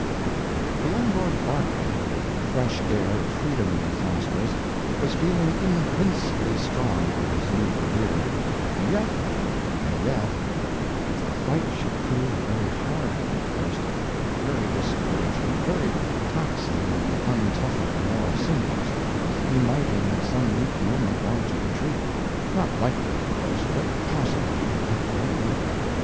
The young Lord Berkeley, with the fresh air of freedom in his nostrils, was feeling invincibly strong for his new career; and yet—and yet—if the fight should prove a very hard one at first, very discouraging, very taxing on untoughened moral sinews, he might in some weak moment want to retreat. Not likely, of course, but possibly that might happen.